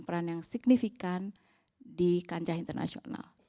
peran yang signifikan di kancah internasional